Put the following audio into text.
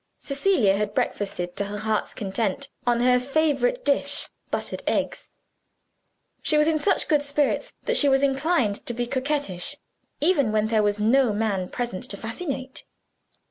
Cecilia had breakfasted to her heart's content on her favorite dish buttered eggs. She was in such good spirits that she was inclined to be coquettish, even when there was no man present to fascinate.